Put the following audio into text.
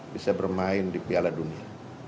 bisa bermain di piala dunia